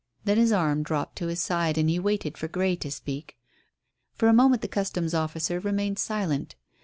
Then his arm dropped to his side, and he waited for Grey to speak. For a moment the Customs officer remained silent.